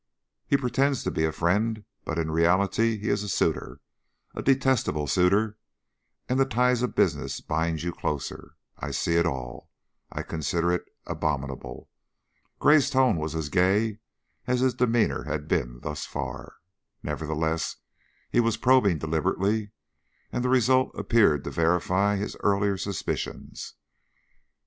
"He pretends to be a friend, but in reality he is a suitor a detestable suitor and the ties of business bind you closer! I see it all. I I consider it abominable." Gray's tone was as gay as his demeanor had been thus far, nevertheless he was probing deliberately, and the result appeared to verify his earlier suspicions.